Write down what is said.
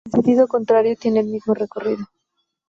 En sentido contrario tiene el mismo recorrido.